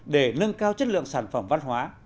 để nâng cao chất lượng sản phẩm văn hóa